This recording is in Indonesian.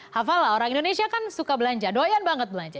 hafal lah orang indonesia kan suka belanja doyan banget belanja